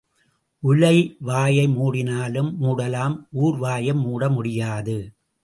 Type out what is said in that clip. உலை வாயை மூடினாலும் மூடலாம் ஊர் வாயை மூட முடியாது.